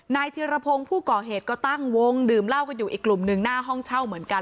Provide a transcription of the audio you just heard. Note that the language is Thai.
ธิรพงศ์ผู้ก่อเหตุก็ตั้งวงดื่มเหล้ากันอยู่อีกกลุ่มหนึ่งหน้าห้องเช่าเหมือนกัน